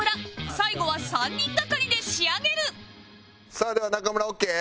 最後は３人がかりで仕上げるさあでは中村オーケー？